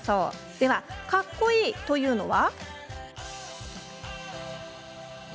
では、かっこいいというのは？